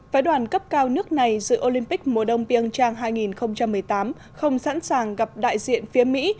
phái đoàn cấp cao nước này dự olympic mùa đông piêng trang hai nghìn một mươi tám không sẵn sàng gặp đại diện phía mỹ